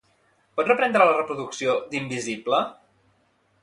Pots reprendre la reproducció d'"Invisible"?